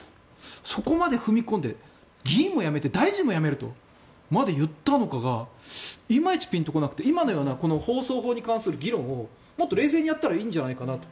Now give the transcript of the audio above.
そこまで踏み込んで議員も辞めて大臣も辞めるとまで言ったのかがいまいちピンと来なくて今のような放送法に関する議論をもっと冷静にやったらいいんじゃないかなと。